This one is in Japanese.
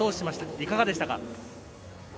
いかがでしたか。